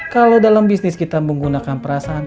kalau dalam bisnis kita menggunakan perasaan